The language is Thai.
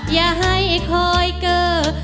อย่าให้คอยเก้า